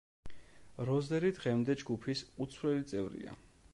როზერი დღემდე ჯგუფის უცვლელი წევრია.